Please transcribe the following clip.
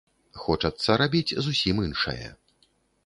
Хочацца рабіць зусім іншае.